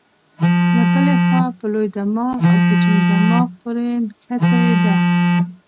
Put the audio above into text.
له بلې خوا په لوی دماغ او کوچني دماغ پورې نښتې ده.